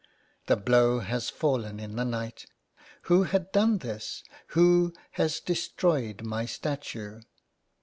The blow has fallen in the night. Who had done this ? Who has destroyed my statue